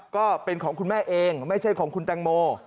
ก็เป็นของคุณแม่เองไม่ใช่ของคุณแตงโม